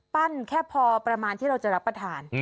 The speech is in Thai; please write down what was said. แค่พอประมาณที่เราจะรับประทาน